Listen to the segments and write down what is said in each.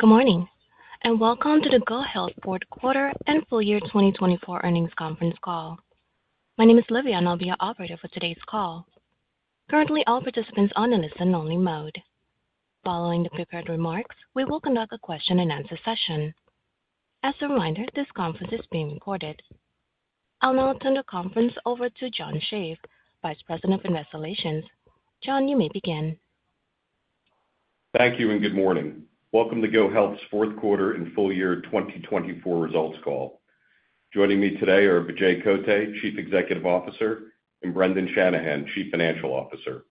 Good morning and welcome to the GoHealth Fourth Quarter and Full Year 2024 Earnings Conference call. My name is Livia, and I'll be your operator for today's call. Currently, all participants are on a listen-only mode. Following the prepared remarks, we will conduct a question-and-answer session. As a reminder, this conference is being recorded. I'll now turn the conference over to John Shave, Vice President of Investor Relations. John, you may begin. Thank you and good morning. Welcome to GoHealth's Fourth Quarter and Full Year 2024 Results Call. Joining me today are Vijay Kotte, Chief Executive Officer, and Brendan Shanahan, Chief Financial Officer.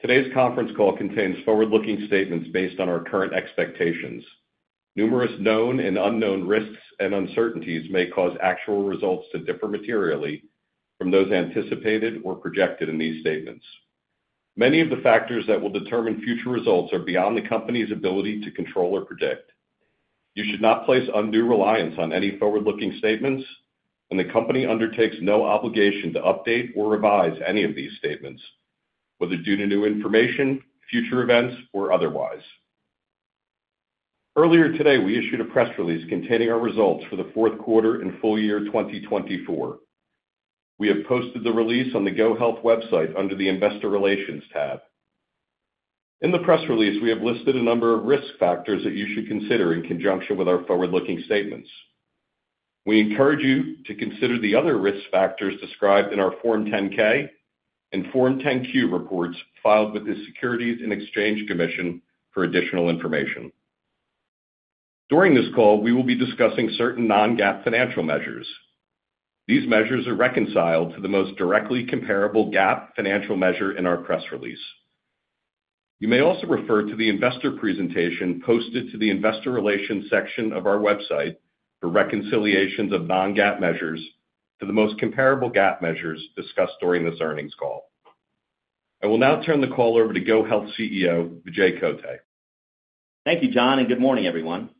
Today's conference call contains forward-looking statements based on our current expectations. Numerous known and unknown risks and uncertainties may cause actual results to differ materially from those anticipated or projected in these statements. Many of the factors that will determine future results are beyond the company's ability to control or predict. You should not place undue reliance on any forward-looking statements, and the company undertakes no obligation to update or revise any of these statements, whether due to new information, future events, or otherwise. Earlier today, we issued a press release containing our results for the Fourth Quarter and Full Year 2024. We have posted the release on the GoHealth website under the Investor Relations tab. In the press release, we have listed a number of risk factors that you should consider in conjunction with our forward-looking statements. We encourage you to consider the other risk factors described in our Form 10-K and Form 10-Q reports filed with the Securities and Exchange Commission for additional information. During this call, we will be discussing certain non-GAAP financial measures. These measures are reconciled to the most directly comparable GAAP financial measure in our press release. You may also refer to the investor presentation posted to the Investor Relations section of our website for reconciliations of non-GAAP measures to the most comparable GAAP measures discussed during this earnings call. I will now turn the call over to GoHealth CEO, Vijay Kotte. Thank you, John, and good morning, everyone.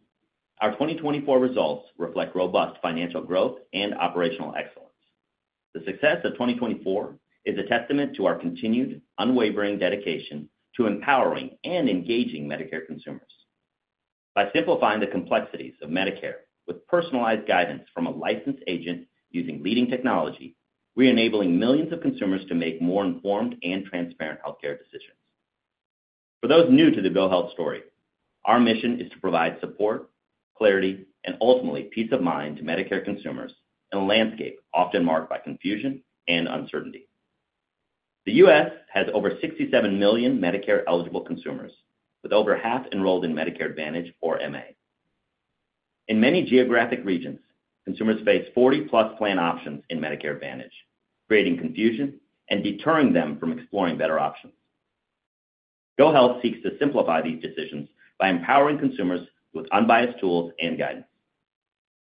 Our 2024 results reflect robust financial growth and operational excellence. The success of 2024 is a testament to our continued, unwavering dedication to empowering and engaging Medicare consumers. By simplifying the complexities of Medicare with personalized guidance from a licensed agent using leading technology, we are enabling millions of consumers to make more informed and transparent healthcare decisions. For those new to the GoHealth story, our mission is to provide support, clarity, and ultimately peace of mind to Medicare consumers in a landscape often marked by confusion and uncertainty. The U.S. has over 67 million Medicare-eligible consumers, with over half enrolled in Medicare Advantage, or MA. In many geographic regions, consumers face 40-plus plan options in Medicare Advantage, creating confusion and deterring them from exploring better options. GoHealth seeks to simplify these decisions by empowering consumers with unbiased tools and guidance.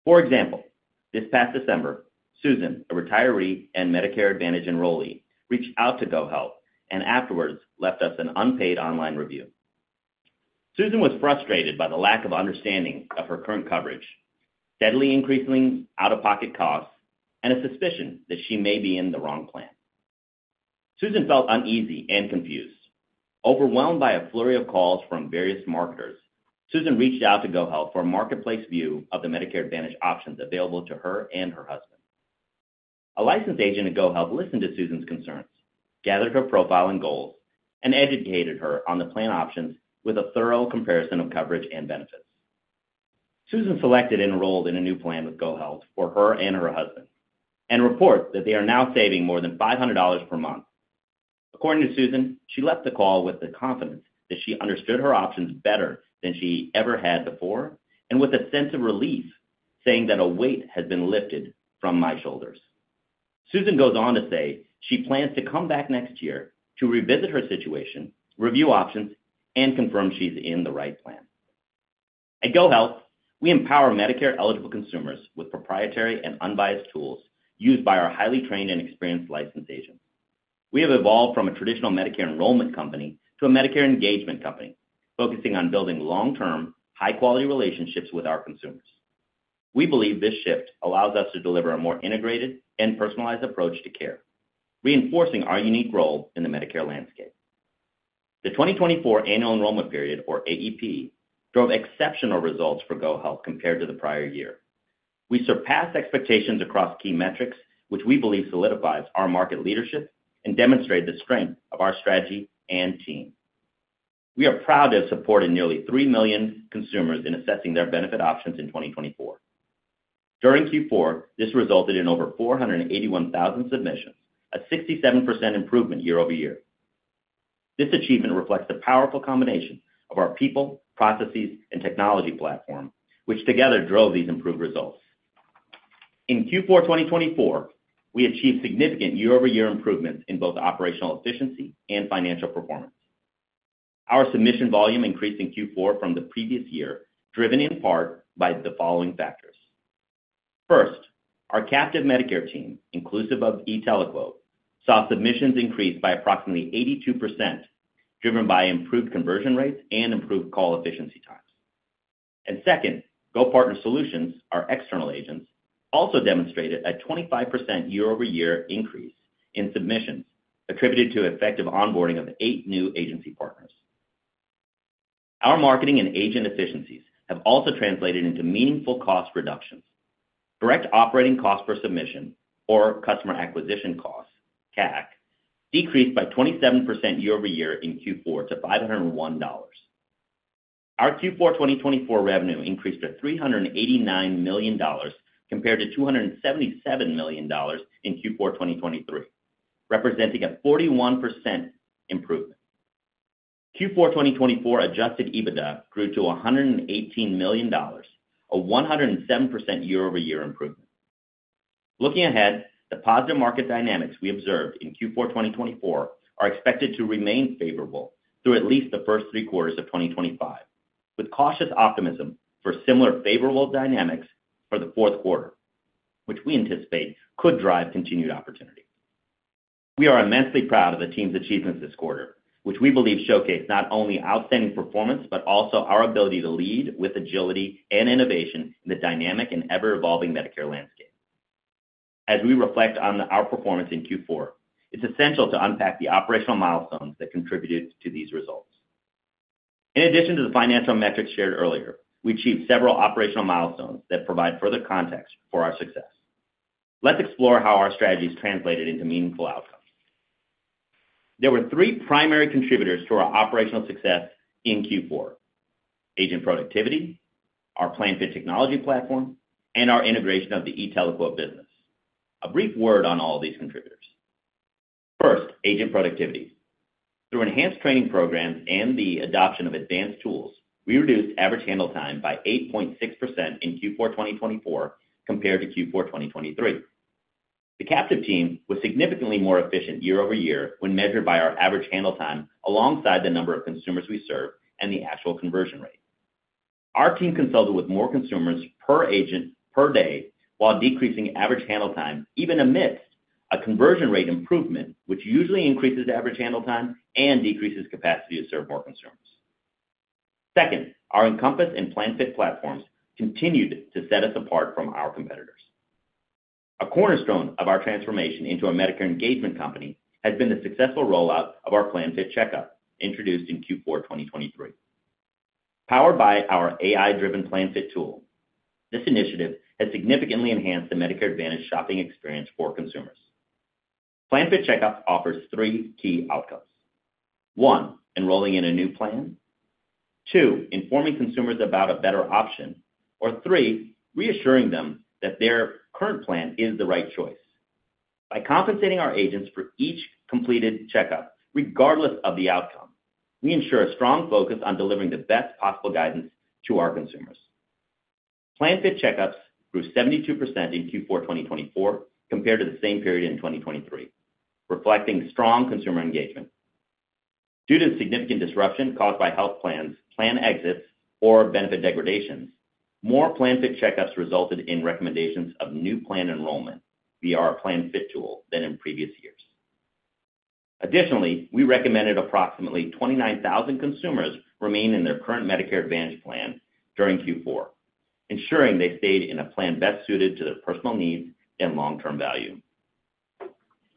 For example, this past December, Susan, a retiree and Medicare Advantage enrollee, reached out to GoHealth and afterwards left us an unpaid online review. Susan was frustrated by the lack of understanding of her current coverage, steadily increasing out-of-pocket costs, and a suspicion that she may be in the wrong plan. Susan felt uneasy and confused. Overwhelmed by a flurry of calls from various marketers, Susan reached out to GoHealth for a marketplace view of the Medicare Advantage options available to her and her husband. A licensed agent at GoHealth listened to Susan's concerns, gathered her profile and goals, and educated her on the plan options with a thorough comparison of coverage and benefits. Susan selected and enrolled in a new plan with GoHealth for her and her husband and reports that they are now saving more than $500 per month. According to Susan, she left the call with the confidence that she understood her options better than she ever had before and with a sense of relief, saying that a weight has been lifted from my shoulders. Susan goes on to say she plans to come back next year to revisit her situation, review options, and confirm she's in the right plan. At GoHealth, we empower Medicare-eligible consumers with proprietary and unbiased tools used by our highly trained and experienced licensed agents. We have evolved from a traditional Medicare enrollment company to a Medicare engagement company, focusing on building long-term, high-quality relationships with our consumers. We believe this shift allows us to deliver a more integrated and personalized approach to care, reinforcing our unique role in the Medicare landscape. The 2024 annual enrollment period, or AEP, drove exceptional results for GoHealth compared to the prior year. We surpassed expectations across key metrics, which we believe solidifies our market leadership and demonstrated the strength of our strategy and team. We are proud to have supported nearly 3 million consumers in assessing their benefit options in 2024. During Q4, this resulted in over 481,000 submissions, a 67% improvement year over year. This achievement reflects the powerful combination of our people, processes, and technology platform, which together drove these improved results. In Q4 2024, we achieved significant year-over-year improvements in both operational efficiency and financial performance. Our submission volume increased in Q4 from the previous year, driven in part by the following factors. First, our captive Medicare team, inclusive of e-TeleQuote, saw submissions increase by approximately 82%, driven by improved conversion rates and improved call efficiency times. GoPartner Solutions, our external agents, also demonstrated a 25% year-over-year increase in submissions attributed to effective onboarding of eight new agency partners. Our marketing and agent efficiencies have also translated into meaningful cost reductions. Direct operating cost per submission, or customer acquisition cost, CAC, decreased by 27% year over year in Q4 to $501. Our Q4 2024 revenue increased to $389 million compared to $277 million in Q4 2023, representing a 41% improvement. Q4 2024 adjusted EBITDA grew to $118 million, a 107% year-over-year improvement. Looking ahead, the positive market dynamics we observed in Q4 2024 are expected to remain favorable through at least the first three quarters of 2025, with cautious optimism for similar favorable dynamics for the fourth quarter, which we anticipate could drive continued opportunity. We are immensely proud of the team's achievements this quarter, which we believe showcase not only outstanding performance but also our ability to lead with agility and innovation in the dynamic and ever-evolving Medicare landscape. As we reflect on our performance in Q4, it's essential to unpack the operational milestones that contributed to these results. In addition to the financial metrics shared earlier, we achieved several operational milestones that provide further context for our success. Let's explore how our strategies translated into meaningful outcomes. There were three primary contributors to our operational success in Q4: agent productivity, our PlanFit technology platform, and our integration of the e-TeleQuote business. A brief word on all of these contributors. First, agent productivity. Through enhanced training programs and the adoption of advanced tools, we reduced average handle time by 8.6% in Q4 2024 compared to Q4 2023. The captive team was significantly more efficient year over year when measured by our average handle time alongside the number of consumers we serve and the actual conversion rate. Our team consulted with more consumers per agent per day while decreasing average handle time even amidst a conversion rate improvement, which usually increases average handle time and decreases capacity to serve more consumers. Second, our Encompass and PlanFit platforms continued to set us apart from our competitors. A cornerstone of our transformation into a Medicare engagement company has been the successful rollout of our PlanFit CheckUp, introduced in Q4 2023. Powered by our AI-driven PlanFit tool, this initiative has significantly enhanced the Medicare Advantage shopping experience for consumers. PlanFit CheckUp offers three key outcomes: one, enrolling in a new plan; two, informing consumers about a better option; or three, reassuring them that their current plan is the right choice. By compensating our agents for each completed checkup, regardless of the outcome, we ensure a strong focus on delivering the best possible guidance to our consumers. PlanFit CheckUps grew 72% in Q4 2024 compared to the same period in 2023, reflecting strong consumer engagement. Due to significant disruption caused by health plans, plan exits, or benefit degradations, more PlanFit CheckUps resulted in recommendations of new plan enrollment via our PlanFit tool than in previous years. Additionally, we recommended approximately 29,000 consumers remain in their current Medicare Advantage plan during Q4, ensuring they stayed in a plan best suited to their personal needs and long-term value.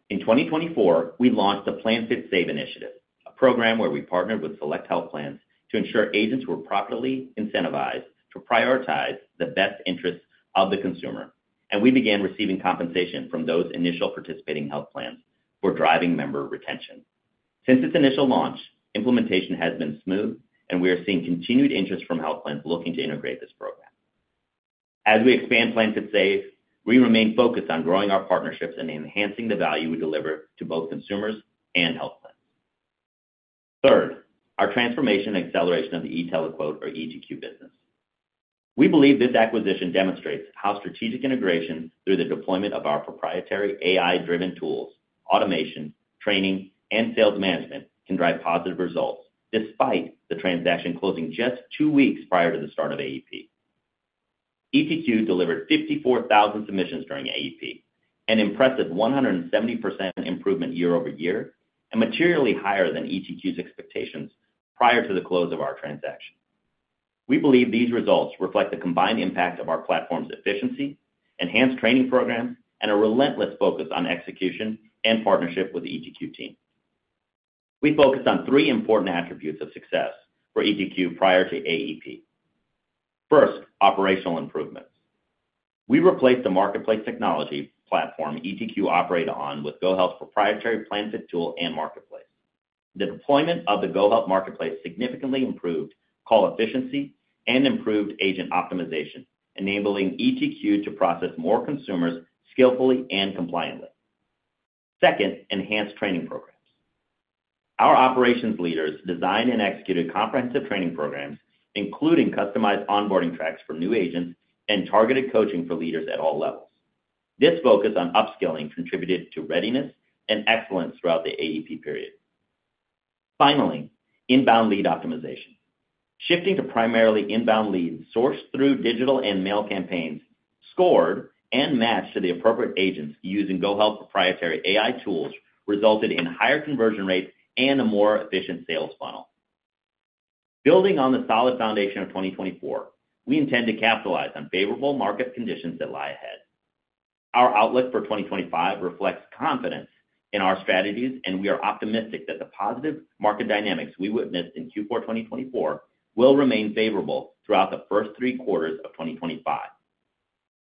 In 2024, we launched the PlanFit Save initiative, a program where we partnered with select health plans to ensure agents were properly incentivized to prioritize the best interests of the consumer, and we began receiving compensation from those initial participating health plans for driving member retention. Since its initial launch, implementation has been smooth, and we are seeing continued interest from health plans looking to integrate this program. As we expand PlanFit Save, we remain focused on growing our partnerships and enhancing the value we deliver to both consumers and health plans. Third, our transformation and acceleration of the e-TeleQuote or eGQ business. We believe this acquisition demonstrates how strategic integration through the deployment of our proprietary AI-driven tools, automation, training, and sales management can drive positive results despite the transaction closing just two weeks prior to the start of AEP. eGQ delivered 54,000 submissions during AEP, an impressive 170% improvement year over year, and materially higher than eGQ's expectations prior to the close of our transaction. We believe these results reflect the combined impact of our platform's efficiency, enhanced training programs, and a relentless focus on execution and partnership with the eGQ team. We focused on three important attributes of success for eGQ prior to AEP. First, operational improvements. We replaced the marketplace technology platform eGQ operated on with GoHealth's proprietary PlanFit tool and marketplace. The deployment of the GoHealth marketplace significantly improved call efficiency and improved agent optimization, enabling eGQ to process more consumers skillfully and compliantly. Second, enhanced training programs. Our operations leaders designed and executed comprehensive training programs, including customized onboarding tracks for new agents and targeted coaching for leaders at all levels. This focus on upskilling contributed to readiness and excellence throughout the AEP period. Finally, inbound lead optimization. Shifting to primarily inbound leads sourced through digital and mail campaigns scored and matched to the appropriate agents using GoHealth's proprietary AI tools resulted in higher conversion rates and a more efficient sales funnel. Building on the solid foundation of 2024, we intend to capitalize on favorable market conditions that lie ahead. Our outlook for 2025 reflects confidence in our strategies, and we are optimistic that the positive market dynamics we witnessed in Q4 2024 will remain favorable throughout the first three quarters of 2025.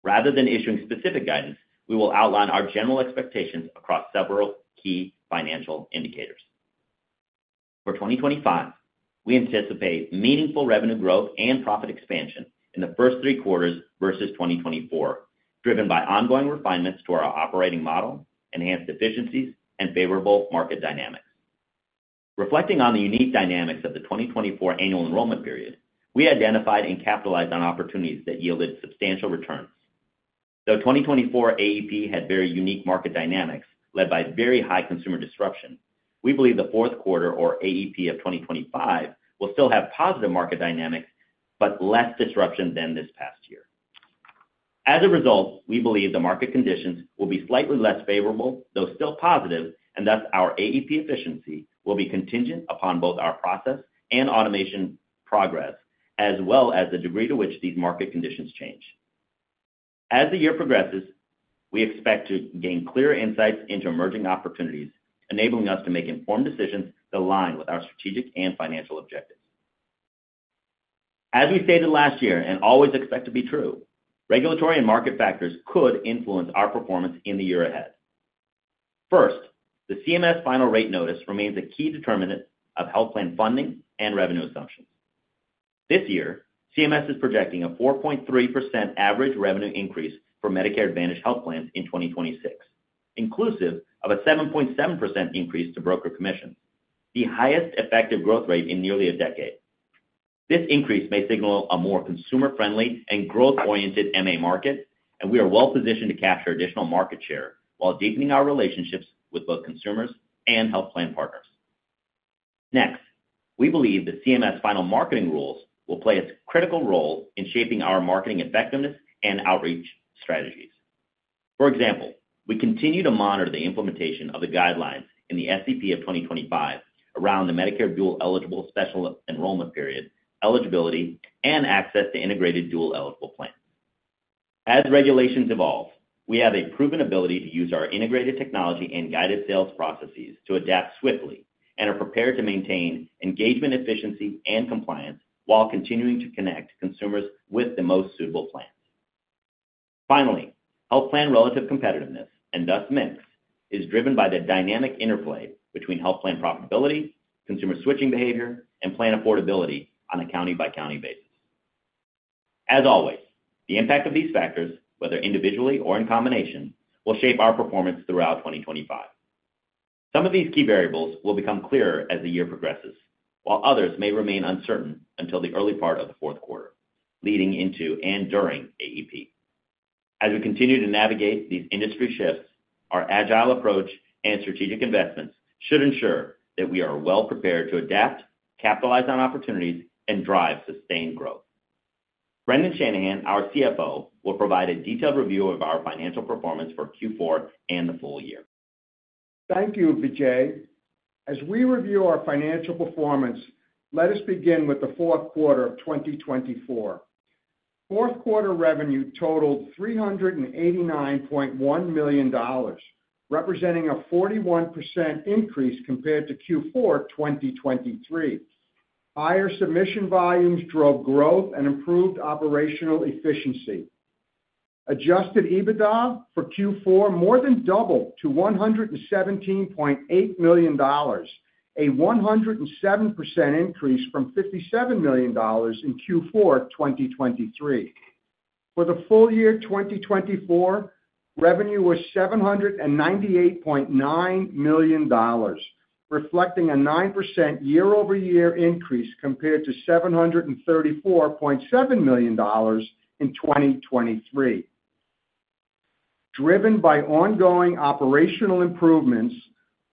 Rather than issuing specific guidance, we will outline our general expectations across several key financial indicators. For 2025, we anticipate meaningful revenue growth and profit expansion in the first three quarters versus 2024, driven by ongoing refinements to our operating model, enhanced efficiencies, and favorable market dynamics. Reflecting on the unique dynamics of the 2024 annual enrollment period, we identified and capitalized on opportunities that yielded substantial returns. Though 2024 AEP had very unique market dynamics led by very high consumer disruption, we believe the fourth quarter, or AEP, of 2025 will still have positive market dynamics but less disruption than this past year. As a result, we believe the market conditions will be slightly less favorable, though still positive, and thus our AEP efficiency will be contingent upon both our process and automation progress, as well as the degree to which these market conditions change. As the year progresses, we expect to gain clear insights into emerging opportunities, enabling us to make informed decisions that align with our strategic and financial objectives. As we stated last year and always expect to be true, regulatory and market factors could influence our performance in the year ahead. First, the CMS Final Rate Notice remains a key determinant of health plan funding and revenue assumptions. This year, CMS is projecting a 4.3% average revenue increase for Medicare Advantage health plans in 2026, inclusive of a 7.7% increase to broker commissions, the highest effective growth rate in nearly a decade. This increase may signal a more consumer-friendly and growth-oriented MA market, and we are well-positioned to capture additional market share while deepening our relationships with both consumers and health plan partners. Next, we believe the CMS Final Marketing Rules will play a critical role in shaping our marketing effectiveness and outreach strategies. For example, we continue to monitor the implementation of the guidelines in the SEP of 2025 around the Medicare Dual-Eligible Special Enrollment Period, Eligibility, and Access to Integrated Dual-Eligible Plans. As regulations evolve, we have a proven ability to use our integrated technology and guided sales processes to adapt swiftly and are prepared to maintain engagement efficiency and compliance while continuing to connect consumers with the most suitable plans. Finally, health plan relative competitiveness, and thus MIPS, is driven by the dynamic interplay between health plan profitability, consumer switching behavior, and plan affordability on a county-by-county basis. As always, the impact of these factors, whether individually or in combination, will shape our performance throughout 2025. Some of these key variables will become clearer as the year progresses, while others may remain uncertain until the early part of the fourth quarter, leading into and during AEP. As we continue to navigate these industry shifts, our agile approach and strategic investments should ensure that we are well-prepared to adapt, capitalize on opportunities, and drive sustained growth. Brendan Shanahan, our CFO, will provide a detailed review of our financial performance for Q4 and the full year. Thank you, Vijay. As we review our financial performance, let us begin with the fourth quarter of 2024. Fourth quarter revenue totaled $389.1 million, representing a 41% increase compared to Q4 2023. Higher submission volumes drove growth and improved operational efficiency. Adjusted EBITDA for Q4 more than doubled to $117.8 million, a 107% increase from $57 million in Q4 2023. For the full year 2024, revenue was $798.9 million, reflecting a 9% year-over-year increase compared to $734.7 million in 2023. Driven by ongoing operational improvements,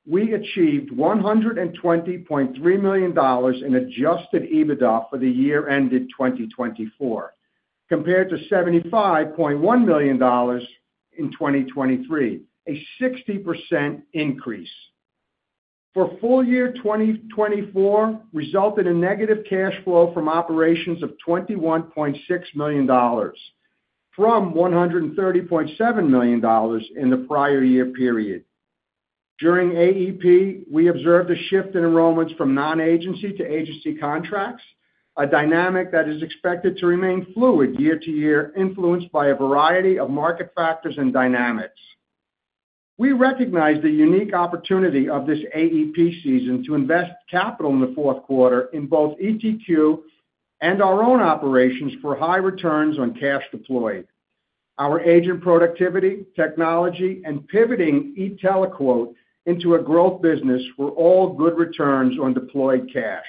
we achieved $120.3 million in adjusted EBITDA for the year ended 2024, compared to $75.1 million in 2023, a 60% increase. For full year 2024, resulted in negative cash flow from operations of $21.6 million from $130.7 million in the prior year period. During AEP, we observed a shift in enrollments from non-agency to agency contracts, a dynamic that is expected to remain fluid year to year, influenced by a variety of market factors and dynamics. We recognize the unique opportunity of this AEP season to invest capital in the fourth quarter in both e-TeleQuote and our own operations for high returns on cash deployed. Our agent productivity, technology, and pivoting e-TeleQuote into a growth business were all good returns on deployed cash.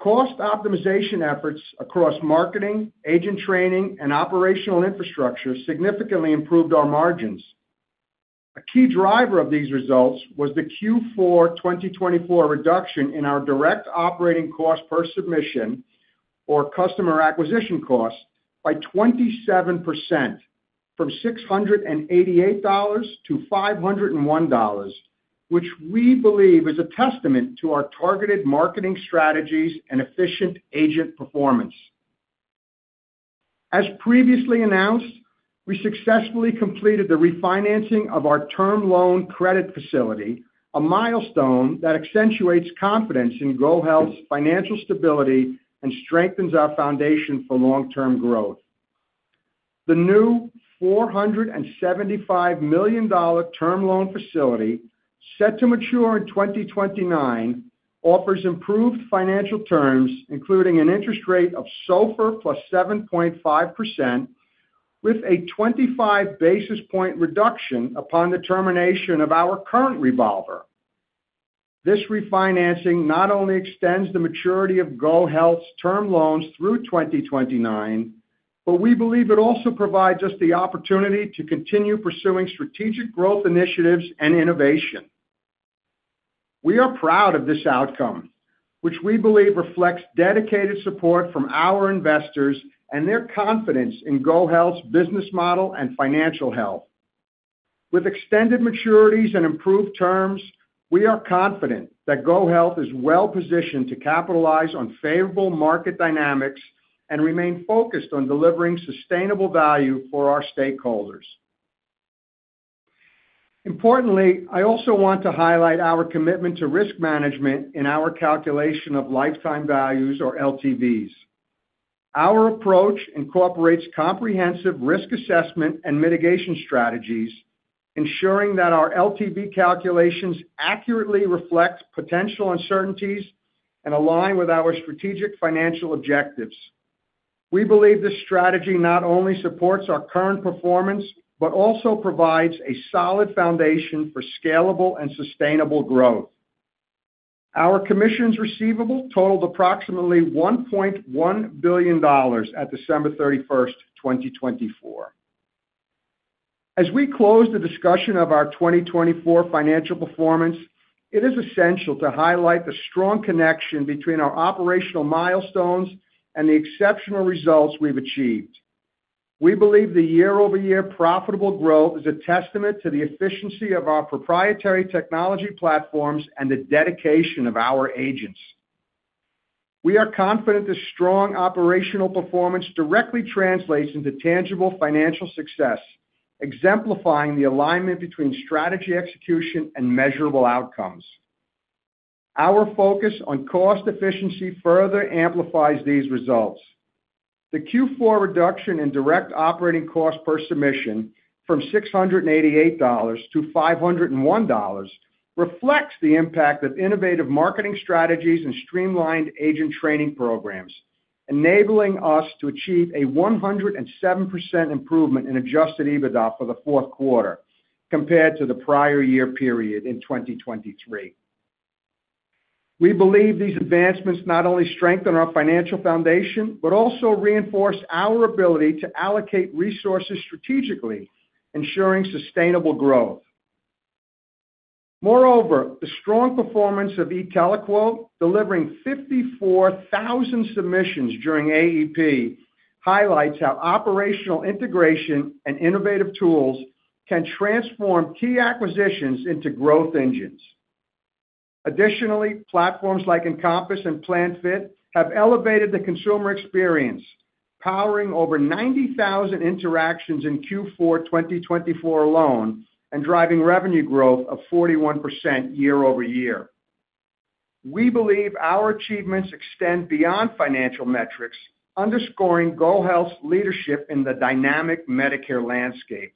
Cost optimization efforts across marketing, agent training, and operational infrastructure significantly improved our margins. A key driver of these results was the Q4 2024 reduction in our direct operating cost per submission, or customer acquisition cost, by 27% from $688 to $501, which we believe is a testament to our targeted marketing strategies and efficient agent performance. As previously announced, we successfully completed the refinancing of our term loan credit facility, a milestone that accentuates confidence in GoHealth's financial stability and strengthens our foundation for long-term growth. The new $475 million term loan facility, set to mature in 2029, offers improved financial terms, including an interest rate of SOFR plus 7.5%, with a 25 basis point reduction upon the termination of our current revolver. This refinancing not only extends the maturity of GoHealth's term loans through 2029, but we believe it also provides us the opportunity to continue pursuing strategic growth initiatives and innovation. We are proud of this outcome, which we believe reflects dedicated support from our investors and their confidence in GoHealth's business model and financial health. With extended maturities and improved terms, we are confident that GoHealth is well-positioned to capitalize on favorable market dynamics and remain focused on delivering sustainable value for our stakeholders. Importantly, I also want to highlight our commitment to risk management in our calculation of lifetime values, or LTVs. Our approach incorporates comprehensive risk assessment and mitigation strategies, ensuring that our LTV calculations accurately reflect potential uncertainties and align with our strategic financial objectives. We believe this strategy not only supports our current performance but also provides a solid foundation for scalable and sustainable growth. Our commissions receivable totaled approximately $1.1 billion at December 31st, 2024. As we close the discussion of our 2024 financial performance, it is essential to highlight the strong connection between our operational milestones and the exceptional results we've achieved. We believe the year-over-year profitable growth is a testament to the efficiency of our proprietary technology platforms and the dedication of our agents. We are confident this strong operational performance directly translates into tangible financial success, exemplifying the alignment between strategy execution and measurable outcomes. Our focus on cost efficiency further amplifies these results. The Q4 reduction in direct operating cost per submission from $688 to $501 reflects the impact of innovative marketing strategies and streamlined agent training programs, enabling us to achieve a 107% improvement in adjusted EBITDA for the fourth quarter compared to the prior year period in 2023. We believe these advancements not only strengthen our financial foundation but also reinforce our ability to allocate resources strategically, ensuring sustainable growth. Moreover, the strong performance of e-TeleQuote, delivering 54,000 submissions during AEP, highlights how operational integration and innovative tools can transform key acquisitions into growth engines. Additionally, platforms like Encompass and PlanFit have elevated the consumer experience, powering over 90,000 interactions in Q4 2024 alone and driving revenue growth of 41% year-over-year. We believe our achievements extend beyond financial metrics, underscoring GoHealth's leadership in the dynamic Medicare landscape.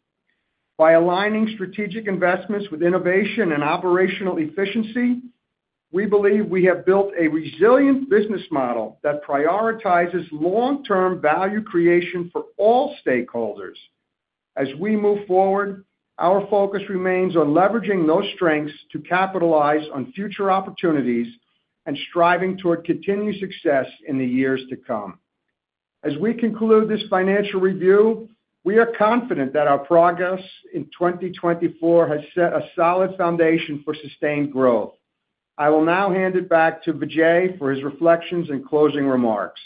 By aligning strategic investments with innovation and operational efficiency, we believe we have built a resilient business model that prioritizes long-term value creation for all stakeholders. As we move forward, our focus remains on leveraging those strengths to capitalize on future opportunities and striving toward continued success in the years to come. As we conclude this financial review, we are confident that our progress in 2024 has set a solid foundation for sustained growth. I will now hand it back to Vijay for his reflections and closing remarks.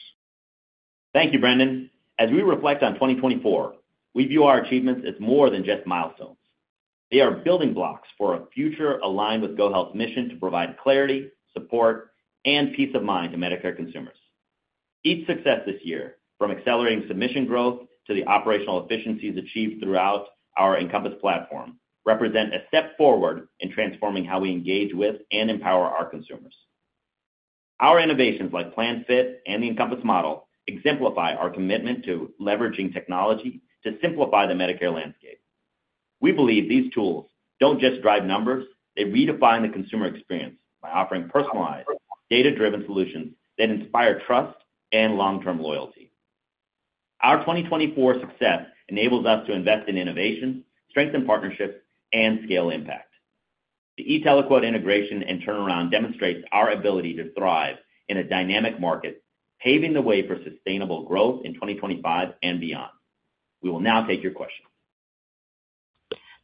Thank you, Brendan. As we reflect on 2024, we view our achievements as more than just milestones. They are building blocks for a future aligned with GoHealth's mission to provide clarity, support, and peace of mind to Medicare consumers. Each success this year, from accelerating submission growth to the operational efficiencies achieved throughout our Encompass platform, represents a step forward in transforming how we engage with and empower our consumers. Our innovations like PlanFit and the Encompass model exemplify our commitment to leveraging technology to simplify the Medicare landscape. We believe these tools do not just drive numbers; they redefine the consumer experience by offering personalized, data-driven solutions that inspire trust and long-term loyalty. Our 2024 success enables us to invest in innovation, strengthen partnerships, and scale impact. The e-TeleQuote integration and turnaround demonstrate our ability to thrive in a dynamic market, paving the way for sustainable growth in 2025 and beyond. We will now take your questions.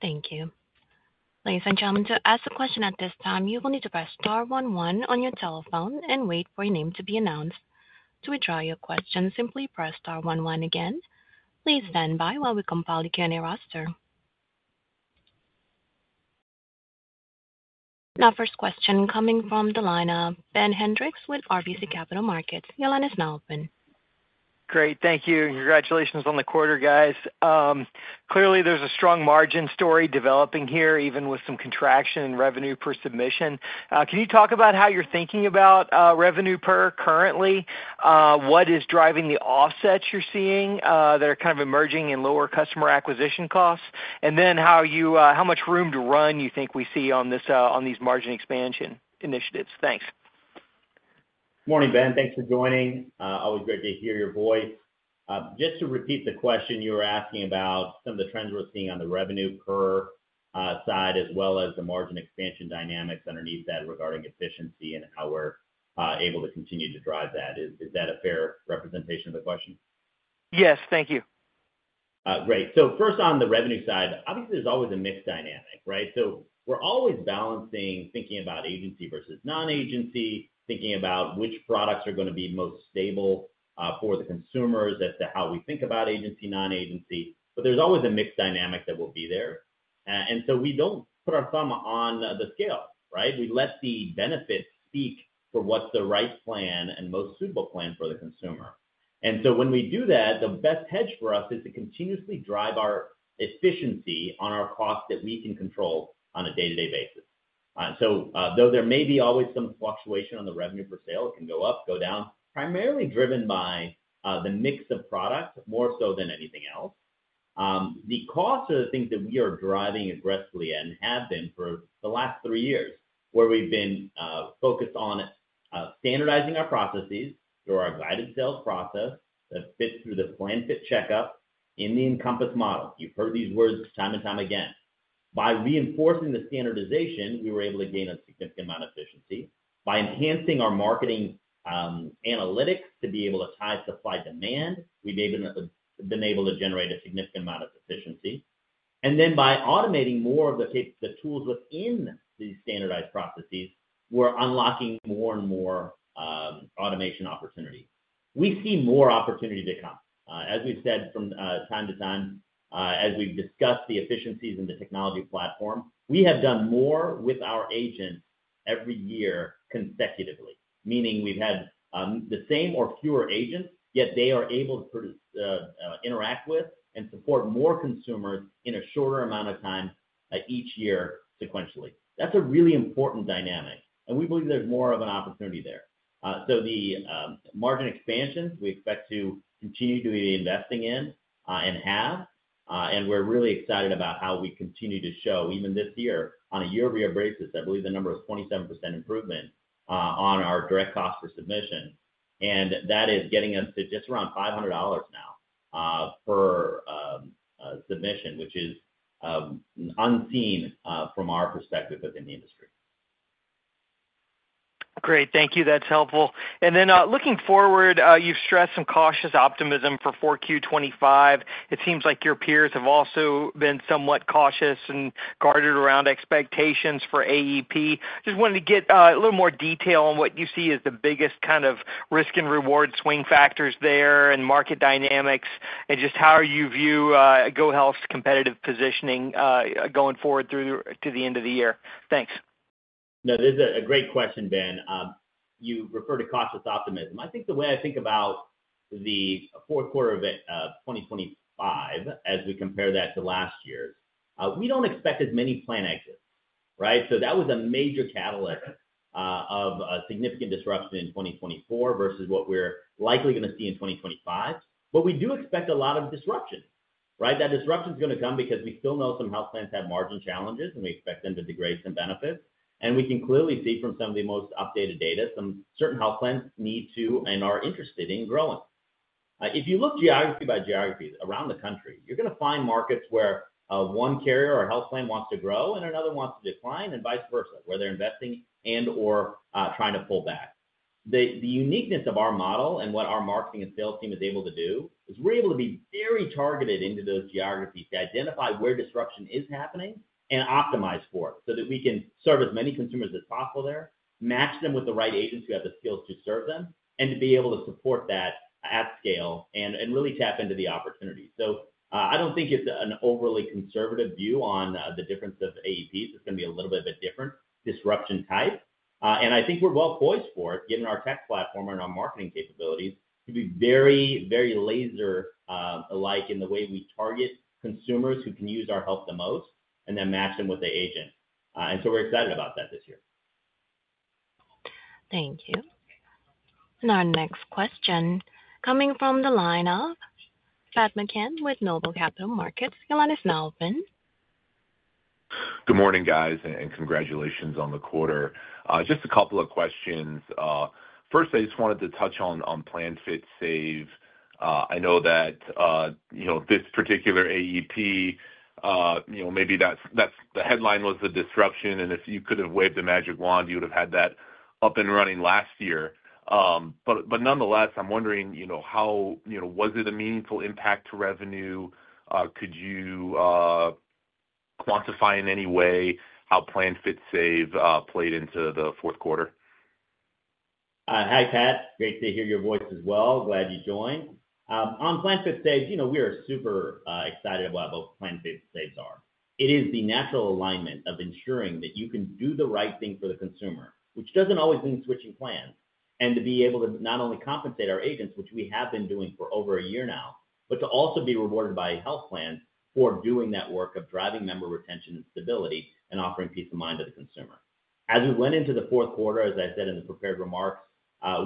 Thank you. Ladies and gentlemen, to ask the question at this time, you will need to press star one one on your telephone and wait for your name to be announced. To withdraw your question, simply press star 11 again. Please stand by while we compile the Q&A roster. Now, first question coming from Ben Hendrix with RBC Capital Markets. Great. Thank you. Congratulations on the quarter, guys. Clearly, there's a strong margin story developing here, even with some contraction in revenue per submission. Can you talk about how you're thinking about revenue per currently? What is driving the offsets you're seeing that are kind of emerging in lower customer acquisition costs? And then how much room to run you think we see on these margin expansion initiatives? Thanks. Good morning, Ben. Thanks for joining. Always great to hear your voice. Just to repeat the question, you were asking about some of the trends we're seeing on the revenue per side, as well as the margin expansion dynamics underneath that regarding efficiency and how we're able to continue to drive that. Is that a fair representation of the question? Yes. Thank you. Great. First, on the revenue side, obviously, there's always a mixed dynamic, right? We're always balancing thinking about agency versus non-agency, thinking about which products are going to be most stable for the consumers as to how we think about agency, non-agency. There's always a mixed dynamic that will be there. We don't put our thumb on the scale, right? We let the benefits speak for what's the right plan and most suitable plan for the consumer. When we do that, the best hedge for us is to continuously drive our efficiency on our costs that we can control on a day-to-day basis. Though there may be always some fluctuation on the revenue per sale, it can go up, go down, primarily driven by the mix of products more so than anything else. The costs are the things that we are driving aggressively and have been for the last three years, where we've been focused on standardizing our processes through our guided sales process that fits through the PlanFit CheckUp in the Encompass model. You've heard these words time and time again. By reinforcing the standardization, we were able to gain a significant amount of efficiency. By enhancing our marketing analytics to be able to tie supply-demand, we've been able to generate a significant amount of efficiency. By automating more of the tools within these standardized processes, we're unlocking more and more automation opportunities. We see more opportunity to come. As we've said from time to time, as we've discussed the efficiencies in the technology platform, we have done more with our agents every year consecutively, meaning we've had the same or fewer agents, yet they are able to interact with and support more consumers in a shorter amount of time each year sequentially. That's a really important dynamic, and we believe there's more of an opportunity there. The margin expansion we expect to continue to be investing in and have, and we're really excited about how we continue to show even this year on a year-over-year basis. I believe the number is 27% improvement on our direct cost per submission. That is getting us to just around $500 now per submission, which is unseen from our perspective within the industry. Great. Thank you. That's helpful. Looking forward, you've stressed some cautious optimism for 4Q 2025. It seems like your peers have also been somewhat cautious and guarded around expectations for AEP. I just wanted to get a little more detail on what you see as the biggest kind of risk and reward swing factors there and market dynamics and just how you view GoHealth's competitive positioning going forward through to the end of the year. Thanks. No, this is a great question, Ben. You refer to cautious optimism. I think the way I think about the fourth quarter of 2025, as we compare that to last year, we don't expect as many plan exits, right? That was a major catalyst of significant disruption in 2024 versus what we're likely going to see in 2025. We do expect a lot of disruption, right? That disruption is going to come because we still know some health plans have margin challenges, and we expect them to degrade some benefits. We can clearly see from some of the most updated data some certain health plans need to and are interested in growing. If you look geography by geography around the country, you're going to find markets where one carrier or health plan wants to grow and another wants to decline and vice versa, where they're investing and/or trying to pull back. The uniqueness of our model and what our marketing and sales team is able to do is we're able to be very targeted into those geographies to identify where disruption is happening and optimize for it so that we can serve as many consumers as possible there, match them with the right agents who have the skills to serve them, and to be able to support that at scale and really tap into the opportunity. I don't think it's an overly conservative view on the difference of AEPs. It's going to be a little bit of a different disruption type. I think we're well poised for it, given our tech platform and our marketing capabilities to be very, very laser-like in the way we target consumers who can use our help the most and then match them with the agent. We're excited about that this year. Thank you. Our next question coming from Pat McCann with Noble Capital Markets. The line is now open. Good morning, guys, and congratulations on the quarter. Just a couple of questions. First, I just wanted to touch on PlanFit Save. I know that this particular AEP, maybe that's the headline was the disruption. If you could have waved the magic wand, you would have had that up and running last year. Nonetheless, I'm wondering, was it a meaningful impact to revenue? Could you quantify in any way how PlanFit Save played into the fourth quarter? Hi, Pat. Great to hear your voice as well. Glad you joined. On PlanFit Save, we are super excited about what PlanFit Saves are. It is the natural alignment of ensuring that you can do the right thing for the consumer, which doesn't always mean switching plans, and to be able to not only compensate our agents, which we have been doing for over a year now, but to also be rewarded by health plans for doing that work of driving member retention and stability and offering peace of mind to the consumer. As we went into the fourth quarter, as I said in the prepared remarks,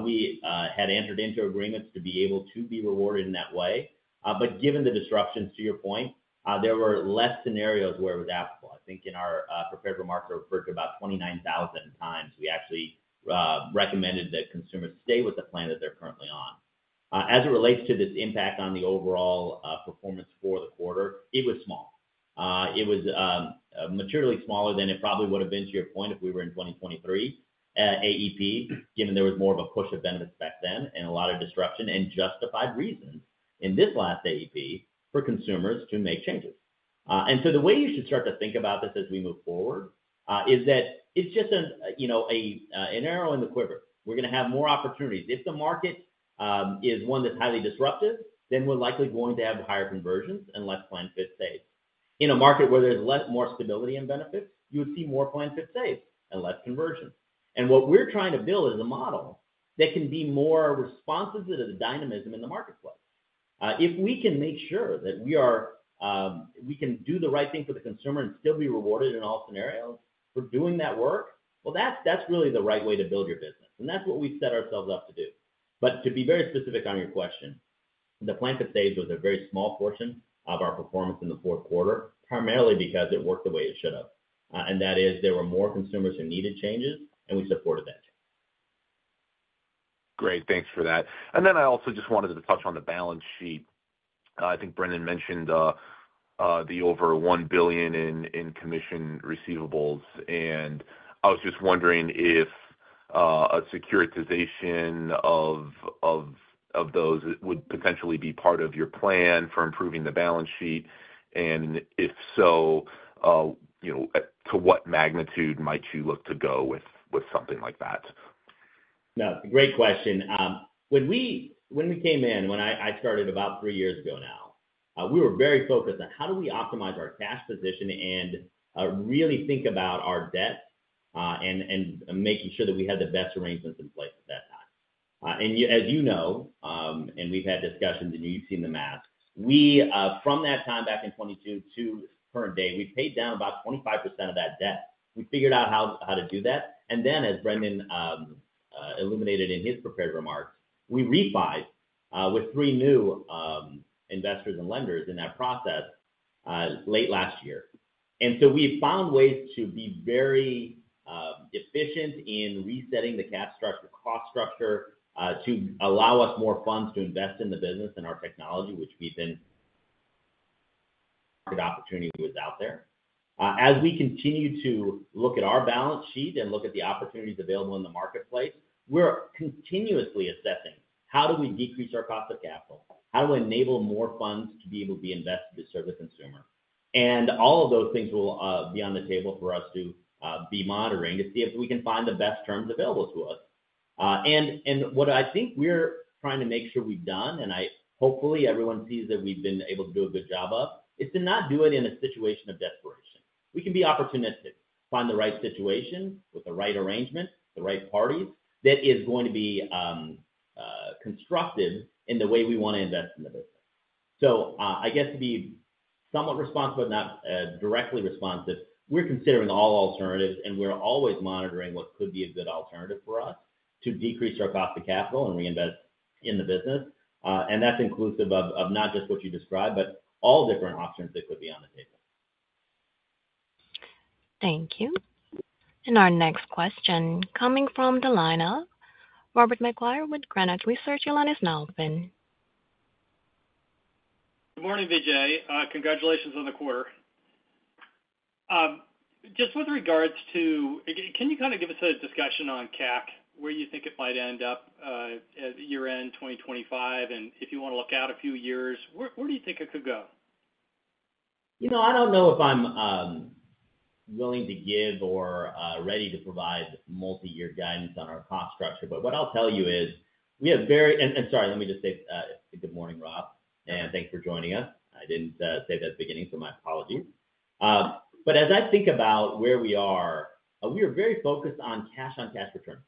we had entered into agreements to be able to be rewarded in that way. Given the disruptions, to your point, there were less scenarios where it was applicable. I think in our prepared remarks, I referred to about 29,000 times we actually recommended that consumers stay with the plan that they're currently on. As it relates to this impact on the overall performance for the quarter, it was small. It was materially smaller than it probably would have been, to your point, if we were in 2023 AEP, given there was more of a push of benefits back then and a lot of disruption and justified reasons in this last AEP for consumers to make changes. The way you should start to think about this as we move forward is that it's just an arrow in the quiver. We're going to have more opportunities. If the market is one that's highly disruptive, then we're likely going to have higher conversions and less PlanFit Save. In a market where there's more stability and benefits, you would see more PlanFit save and less conversion. What we're trying to build is a model that can be more responsive to the dynamism in the marketplace. If we can make sure that we can do the right thing for the consumer and still be rewarded in all scenarios for doing that work, that's really the right way to build your business. That's what we've set ourselves up to do. To be very specific on your question, the PlanFit Save was a very small portion of our performance in the fourth quarter, primarily because it worked the way it should have. That is, there were more consumers who needed changes, and we supported that change. Great. Thanks for that. I also just wanted to touch on the balance sheet. I think Brendan mentioned the over $1 billion in commission receivables. I was just wondering if a securitization of those would potentially be part of your plan for improving the balance sheet. If so, to what magnitude might you look to go with something like that? Great question. When we came in, when I started about three years ago now, we were very focused on how do we optimize our cash position and really think about our debt and making sure that we had the best arrangements in place at that time. As you know, and we've had discussions, and you've seen the math, from that time back in 2022 to current day, we've paid down about 25% of that debt. We figured out how to do that. As Brendan illuminated in his prepared remarks, we refinanced with three new investors and lenders in that process late last year. We have found ways to be very efficient in resetting the cap structure, cost structure to allow us more funds to invest in the business and our technology, which we have been market opportunity was out there. As we continue to look at our balance sheet and look at the opportunities available in the marketplace, we are continuously assessing how do we decrease our cost of capital, how do we enable more funds to be able to be invested to serve the consumer. All of those things will be on the table for us to be monitoring to see if we can find the best terms available to us. What I think we are trying to make sure we have done, and hopefully everyone sees that we have been able to do a good job of, is to not do it in a situation of desperation. We can be opportunistic, find the right situation with the right arrangement, the right parties that is going to be constructive in the way we want to invest in the business. I guess to be somewhat responsive but not directly responsive, we're considering all alternatives, and we're always monitoring what could be a good alternative for us to decrease our cost of capital and reinvest in the business. That's inclusive of not just what you described, but all different options that could be on the table. Thank you. Our next question coming from the line of Robert McGuire with Granite Research. Your line is now open. Good morning, Vijay. Congratulations on the quarter. Just with regards to, can you kind of give us a discussion on CAC, where you think it might end up year-end 2025? If you want to look out a few years, where do you think it could go? I don't know if I'm willing to give or ready to provide multi-year guidance on our cost structure. What I'll tell you is we have very—and sorry, let me just say good morning, Rob, and thanks for joining us. I didn't say that at the beginning, so my apologies. As I think about where we are, we are very focused on cash-on-cash return,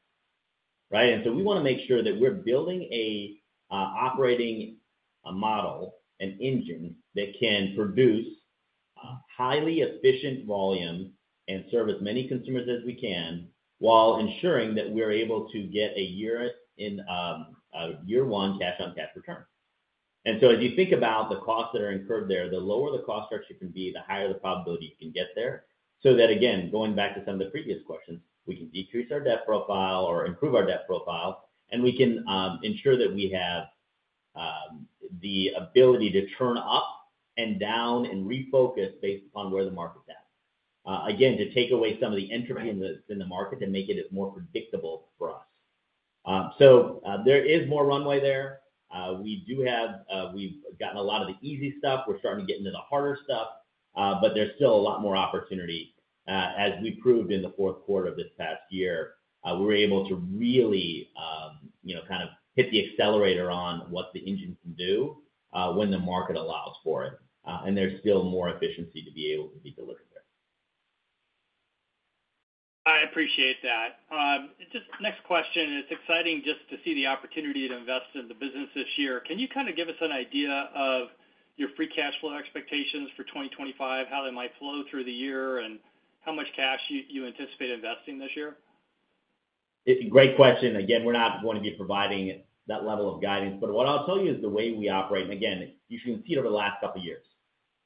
right? We want to make sure that we're building an operating model, an engine that can produce highly efficient volume and serve as many consumers as we can while ensuring that we're able to get a year-one cash-on-cash return. As you think about the costs that are incurred there, the lower the cost structure can be, the higher the probability you can get there. That, again, going back to some of the previous questions, we can decrease our debt profile or improve our debt profile, and we can ensure that we have the ability to turn up and down and refocus based upon where the market's at. Again, to take away some of the entropy in the market and make it more predictable for us. There is more runway there. We do have—we've gotten a lot of the easy stuff. We're starting to get into the harder stuff, but there's still a lot more opportunity. As we proved in the fourth quarter of this past year, we were able to really kind of hit the accelerator on what the engine can do when the market allows for it. There's still more efficiency to be able to be delivered there. I appreciate that. Just next question. It's exciting just to see the opportunity to invest in the business this year. Can you kind of give us an idea of your free cash flow expectations for 2025, how they might flow through the year, and how much cash you anticipate investing this year? Great question. Again, we're not going to be providing that level of guidance. What I'll tell you is the way we operate—you shouldn't see it over the last couple of years.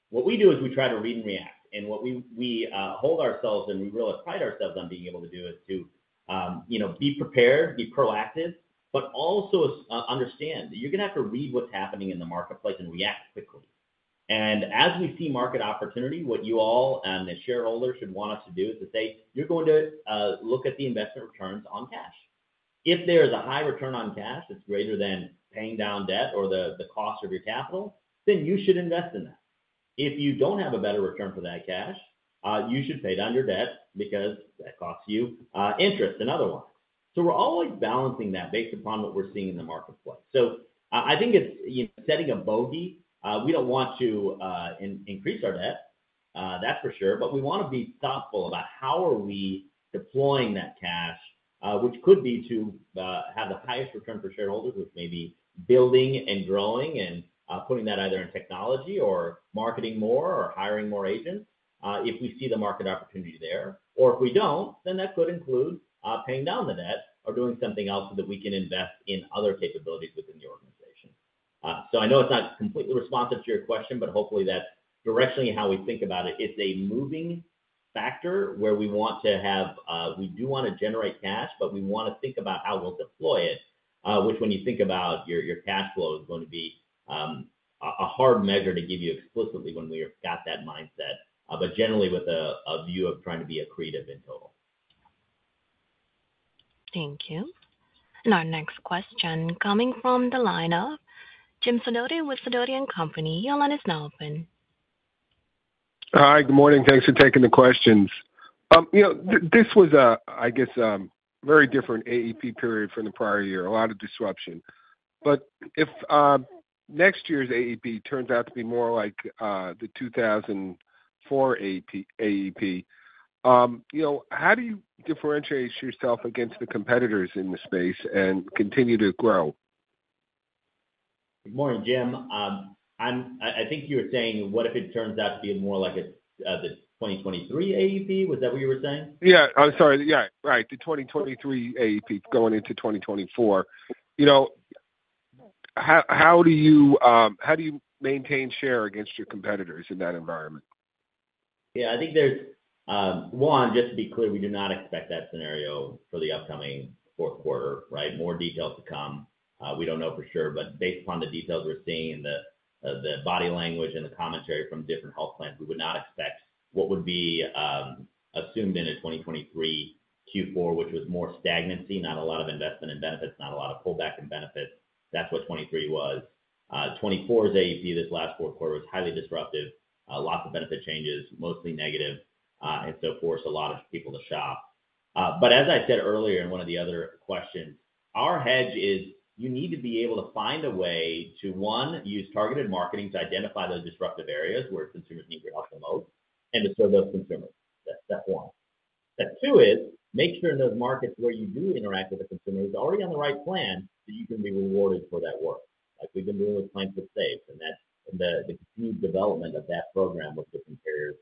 What we do is we try to read and react. What we hold ourselves and we really pride ourselves on being able to do is to be prepared, be proactive, but also understand that you're going to have to read what's happening in the marketplace and react quickly. As we see market opportunity, what you all and the shareholders should want us to do is to say, "You're going to look at the investment returns on cash. If there is a high return on cash that's greater than paying down debt or the cost of your capital, then you should invest in that. If you don't have a better return for that cash, you should pay down your debt because that costs you interest and otherwise." We're always balancing that based upon what we're seeing in the marketplace. I think it's setting a bogey. We don't want to increase our debt, that's for sure. We want to be thoughtful about how are we deploying that cash, which could be to have the highest return for shareholders, which may be building and growing and putting that either in technology or marketing more or hiring more agents if we see the market opportunity there. If we do not, then that could include paying down the debt or doing something else so that we can invest in other capabilities within the organization. I know it is not completely responsive to your question, but hopefully that is directionally how we think about it. It's a moving factor where we want to have—we do want to generate cash, but we want to think about how we'll deploy it, which when you think about your cash flow is going to be a hard measure to give you explicitly when we've got that mindset, but generally with a view of trying to be accretive in total. Thank you. Our next question coming from the line of Jim Sidoti with Sidoti & Company. Your line is now open. Hi, good morning. Thanks for taking the questions. This was, I guess, a very different AEP period from the prior year. A lot of disruption. If next year's AEP turns out to be more like the 2004 AEP, how do you differentiate yourself against the competitors in the space and continue to grow? Good morning, Jim. I think you were saying, "What if it turns out to be more like the 2023 AEP?" Was that what you were saying? Yeah. I'm sorry. Yeah. Right. The 2023 AEP going into 2024. How do you maintain share against your competitors in that environment? Yeah. I think there's one, just to be clear, we do not expect that scenario for the upcoming fourth quarter, right? More details to come. We don't know for sure. But based upon the details we're seeing and the body language and the commentary from different health plans, we would not expect what would be assumed in a 2023 Q4, which was more stagnancy, not a lot of investment in benefits, not a lot of pullback in benefits. That's what 2023 was. 2024's AEP this last fourth quarter was highly disruptive, lots of benefit changes, mostly negative, and forced a lot of people to shop. As I said earlier in one of the other questions, our hedge is you need to be able to find a way to, one, use targeted marketing to identify those disruptive areas where consumers need your help the most and to serve those consumers. That's one. Step two is make sure in those markets where you do interact with the consumer who is already on the right plan that you can be rewarded for that work. Like we've been doing with PlanFit Save and the continued development of that program with different carriers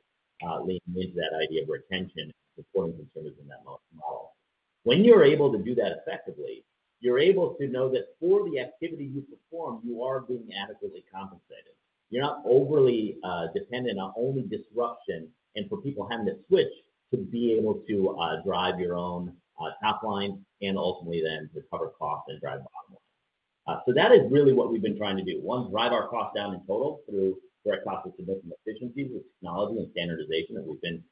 leading into that idea of retention, supporting consumers in that model. When you're able to do that effectively, you're able to know that for the activity you perform, you are being adequately compensated. You're not overly dependent on only disruption and for people having to switch to be able to drive your own top line and ultimately then to cover costs and drive bottom line. That is really what we've been trying to do. One, drive our costs down in total through direct cost of significant efficiencies with technology and standardization that we've been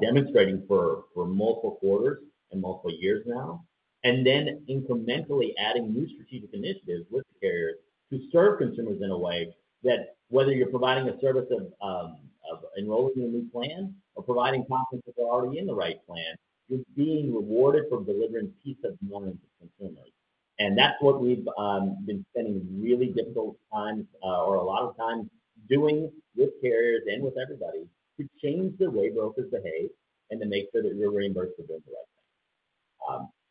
demonstrating for multiple quarters and multiple years now. Then incrementally adding new strategic initiatives with the carriers to serve consumers in a way that whether you're providing a service of enrolling in a new plan or providing compensation already in the right plan, you're being rewarded for delivering pieces more into consumers. That's what we've been spending really difficult times or a lot of times doing with carriers and with everybody to change the way brokers behave and to make sure that you're reimbursed for doing the right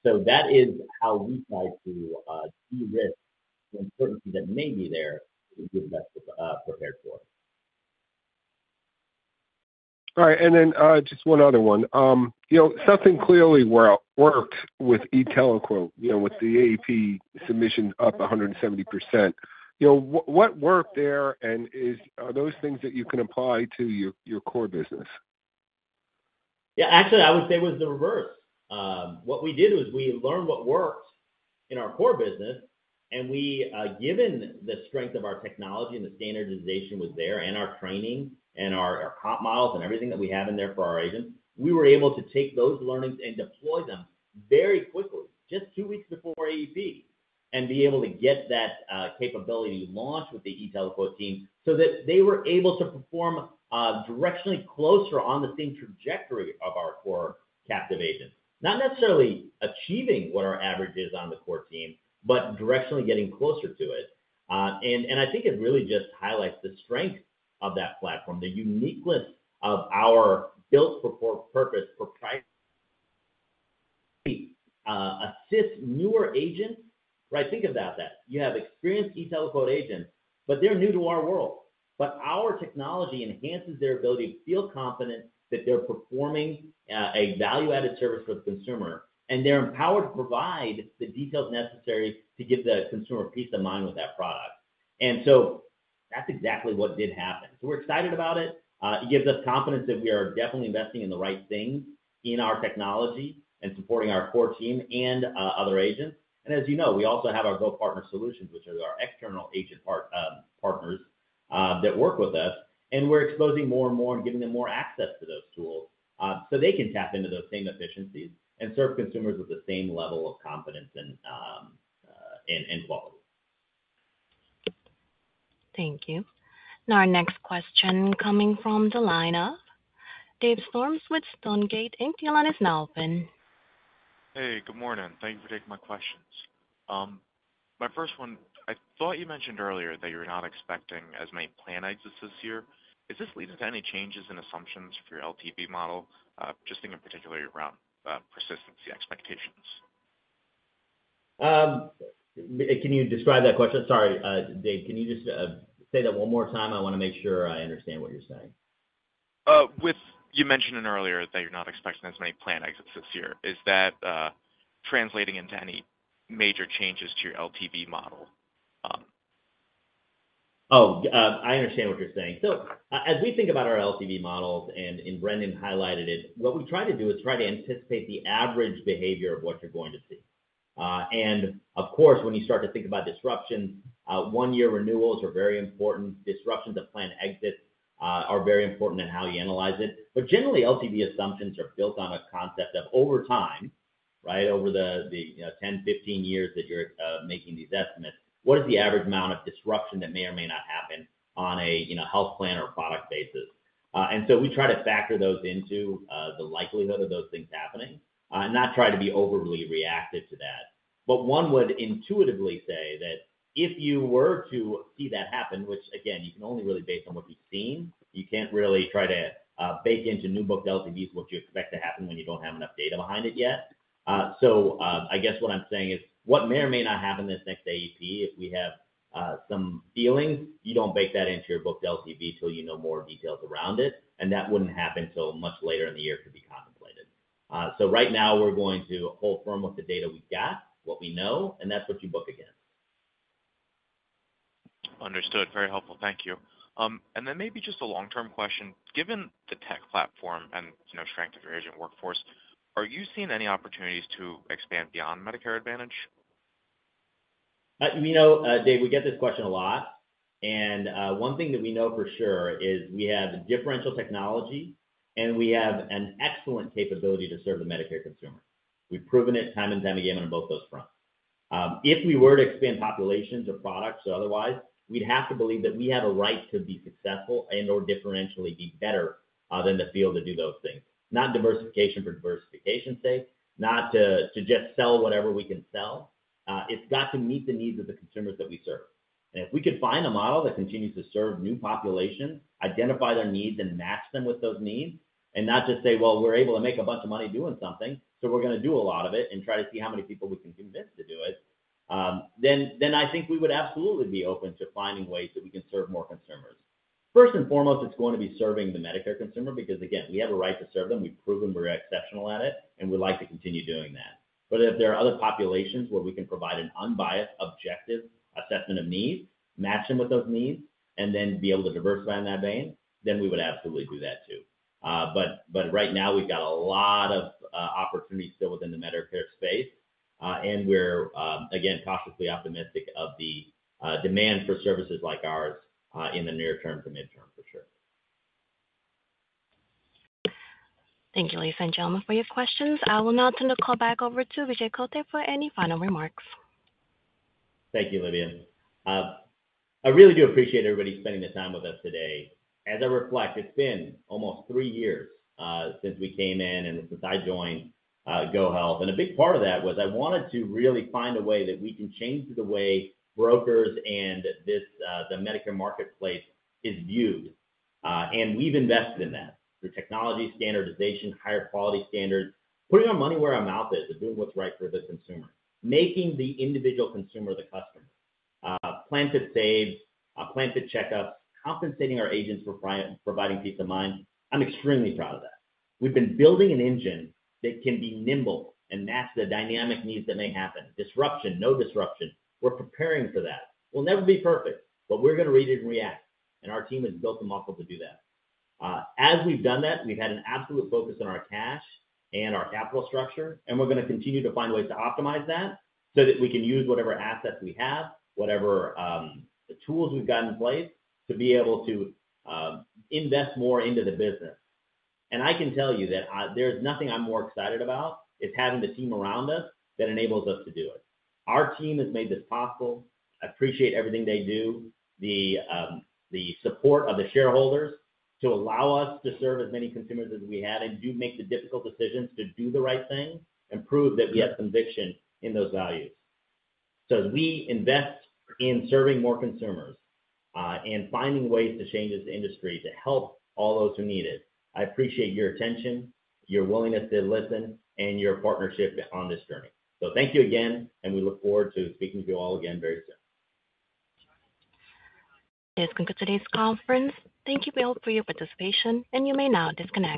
thing. That is how we try to de-risk the uncertainty that may be there if you're prepared for it. All right. Just one other one. Something clearly worked with e-TeleQuote, with the AEP submissions up 170%. What worked there? Are those things that you can apply to your core business? Yeah. Actually, I would say it was the reverse. What we did was we learned what worked in our core business. Given the strength of our technology and the standardization was there and our training and our comp models and everything that we have in there for our agents, we were able to take those learnings and deploy them very quickly, just two weeks before AEP, and be able to get that capability launched with the e-TeleQuote team so that they were able to perform directionally closer on the same trajectory of our core captive agents. Not necessarily achieving what our average is on the core team, but directionally getting closer to it. I think it really just highlights the strength of that platform, the uniqueness of our built-for-purpose proprietary agents. Assist newer agents. Right? Think about that. You have experienced e-TeleQuote agents, but they're new to our world. Our technology enhances their ability to feel confident that they're performing a value-added service for the consumer, and they're empowered to provide the details necessary to give the consumer peace of mind with that product. That's exactly what did happen. We're excited about it. It gives us confidence that we are definitely investing in the right things in our technology and supporting our core team and other agents. As you know, we also have our GoPartner Solutions, which are our external agent partners that work with us. We're exposing more and more and giving them more access to those tools so they can tap into those same efficiencies and serve consumers with the same level of confidence and quality. Thank you. Our next question coming from the line of Dave Storms with Stonegate. Your line is now open. Hey, good morning. Thank you for taking my questions. My first one, I thought you mentioned earlier that you're not expecting as many planned exits this year. Is this leading to any changes in assumptions for your LTV model, just thinking particularly around persistency expectations? Can you describe that question? Sorry, Dave. Can you just say that one more time? I want to make sure I understand what you're saying. You mentioned earlier that you're not expecting as many planned exits this year. Is that translating into any major changes to your LTV model? Oh, I understand what you're saying. As we think about our LTV models, and Brendan highlighted it, what we try to do is try to anticipate the average behavior of what you're going to see. Of course, when you start to think about disruptions, one-year renewals are very important. Disruptions of planned exits are very important in how you analyze it. Generally, LTV assumptions are built on a concept of over time, right, over the 10, 15 years that you're making these estimates, what is the average amount of disruption that may or may not happen on a health plan or product basis? We try to factor those into the likelihood of those things happening and not try to be overly reactive to that. One would intuitively say that if you were to see that happen, which again, you can only really base on what you've seen. You can't really try to bake into new booked LTVs what you expect to happen when you don't have enough data behind it yet. I guess what I'm saying is what may or may not happen this next AEP, if we have some feelings, you don't bake that into your booked LTV until you know more details around it. That wouldn't happen until much later in the year, could be contemplated. Right now, we're going to hold firm with the data we've got, what we know, and that's what you book against. Understood. Very helpful. Thank you. Maybe just a long-term question. Given the tech platform and strength of your agent workforce, are you seeing any opportunities to expand beyond Medicare Advantage? Dave, we get this question a lot. One thing that we know for sure is we have differential technology, and we have an excellent capability to serve the Medicare consumer. We've proven it time and time again on both those fronts. If we were to expand populations or products or otherwise, we'd have to believe that we have a right to be successful and/or differentially be better than the field to do those things. Not diversification for diversification's sake, not to just sell whatever we can sell. It's got to meet the needs of the consumers that we serve. If we could find a model that continues to serve new populations, identify their needs, and match them with those needs, and not just say, "Well, we're able to make a bunch of money doing something, so we're going to do a lot of it and try to see how many people we can convince to do it," I think we would absolutely be open to finding ways that we can serve more consumers. First and foremost, it's going to be serving the Medicare consumer because, again, we have a right to serve them. We've proven we're exceptional at it, and we'd like to continue doing that. If there are other populations where we can provide an unbiased, objective assessment of needs, match them with those needs, and then be able to diversify in that vein, we would absolutely do that too. Right now, we've got a lot of opportunities still within the Medicare space, and we're, again, cautiously optimistic of the demand for services like ours in the near term to midterm for sure. Thank you Vijay and John, before you have questions, I will now turn the call back over to Vijay Kotte for any final remarks. Thank you, Livia. I really do appreciate everybody spending the time with us today. As I reflect, it's been almost three years since we came in and since I joined GoHealth. A big part of that was I wanted to really find a way that we can change the way brokers and the Medicare marketplace is viewed. We've invested in that through technology, standardization, higher quality standards, putting our money where our mouth is, and doing what's right for the consumer, making the individual consumer PlanFit Save, PlanFit CheckUp, compensating our agents for providing peace of mind. I'm extremely proud of that. We've been building an engine that can be nimble and match the dynamic needs that may happen. Disruption, no disruption. We're preparing for that. We'll never be perfect, but we're going to read it and react. Our team has built a muscle to do that. As we've done that, we've had an absolute focus on our cash and our capital structure, and we're going to continue to find ways to optimize that so that we can use whatever assets we have, whatever tools we've got in place to be able to invest more into the business. I can tell you that there's nothing I'm more excited about. It's having the team around us that enables us to do it. Our team has made this possible. I appreciate everything they do. The support of the shareholders to allow us to serve as many consumers as we had and do make the difficult decisions to do the right thing and prove that we have conviction in those values. As we invest in serving more consumers and finding ways to change this industry to help all those who need it, I appreciate your attention, your willingness to listen, and your partnership on this journey. Thank you again, and we look forward to speaking to you all again very soon. That concludes today's conference. Thank you both for your participation, and you may now disconnect.